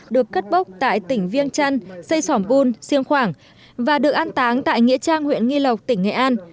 được cất bốc tại tỉnh viêng trăn xây sỏm bùn siêng khoảng và được an táng tại nghĩa trang huyện nghi lộc tỉnh nghệ an